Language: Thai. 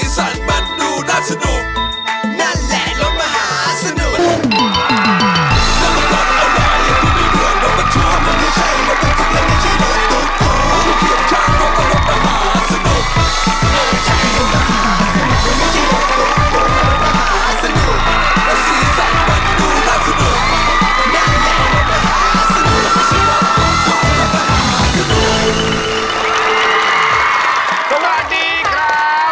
สวัสดีครับ